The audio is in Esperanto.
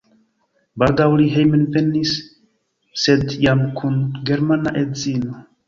Baldaŭ li hejmenvenis sed jam kun germana edzino.